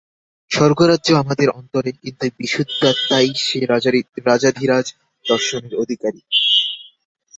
স্বর্গরাজ্য আমাদের অন্তরে, কিন্তু বিশুদ্ধাত্মাই সে রাজাধিরাজ-দর্শনের অধিকারী।